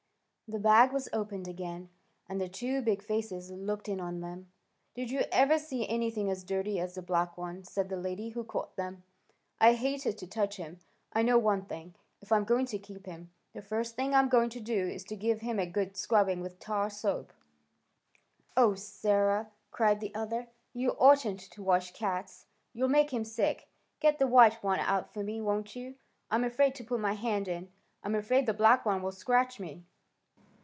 The bag was opened again, and the two big faces looked in on them. "Did you ever see anything as dirty as the black one?" said the lady who caught them. "I hated to touch him. I know one thing; if I'm going to keep him, the first thing I'm going to do is to give him a good scrubbing with tar soap." "Oh, Sarah!" cried the other. "You oughtn't to wash cats. You'll make him sick. Get the white one out for me, won't you? I'm afraid to put my hand in. I'm afraid the black one will scratch me."